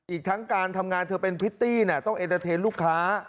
อีกทั้งการทำงานเธอเป็นพริตตี้ต้องเอ็นเตอร์เทนลูกค้า